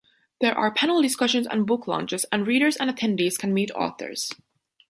There are panel discussions and book launches and readers and attendees can meet authors.